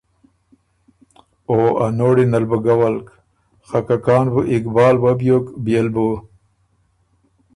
او ا نوړی نه ل بُو ګه ولک۔ خه که کان بُو اقبال وۀ بیوک بيې ل بُو